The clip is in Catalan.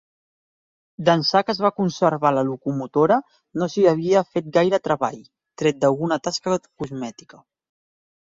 D'ençà que es va conservar la locomotora no s'hi havia fet gaire treball, tret d'alguna tasca cosmètica.